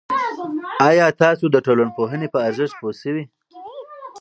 آیا تاسو د ټولنپوهنې په ارزښت پوه شوئ؟